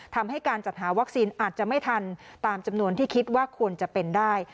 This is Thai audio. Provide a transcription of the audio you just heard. ทำให้การจัดหาวัคซีนอาจจะไม่ทันตามจำนวนที่คิดว่าควรจะเป็นได้